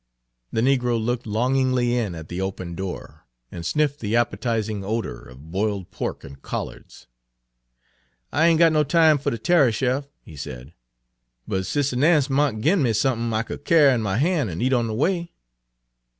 The negro looked longingly in at the open door, and sniffed the appetizing odor of boiled pork and collards. Page 70 "I ain't got no time fer ter tarry, Shurff," he said, "but Sis' Nance mought gin me sump'n I could kyar in my han' en eat on de way."